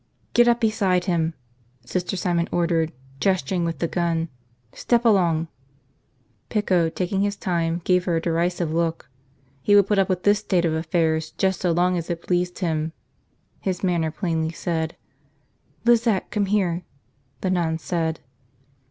"Get up beside him," Sister Simon ordered, gesturing with the gun. "Step along!" Pico, taking his time, gave her a derisive look. He would put up with this state of affairs just so long as it pleased him, his manner plainly said. "Lizette, come here," the nun said.